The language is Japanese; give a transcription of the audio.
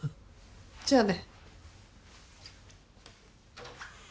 じゃあね。